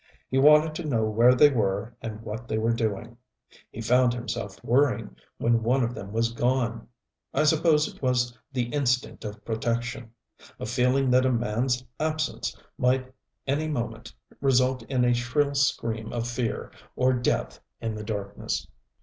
He wanted to know where they were and what they were doing. He found himself worrying when one of them was gone. I suppose it was the instinct of protection a feeling that a man's absence might any moment result in a shrill scream of fear or death in the darkness.